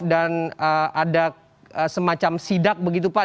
dan ada semacam sidak begitu pak